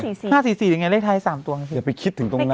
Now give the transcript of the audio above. ห้าสี่สี่ห้าสี่สี่หรือไงเลขท้ายสามตัวอย่าไปคิดถึงตรงนั้น